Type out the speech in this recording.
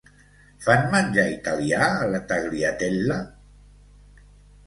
Fan menjar italià a la Tagliatella?